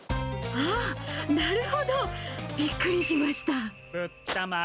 あー、なるほど、びっくりしました。